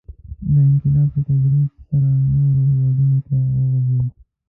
• دا انقلاب په تدریج سره نورو هېوادونو ته وغځېد.